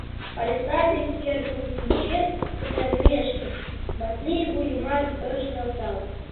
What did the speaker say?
Палисадник кӧргым кӱнчен пытарымешке, Васлий вуйымат ыш нӧлтал.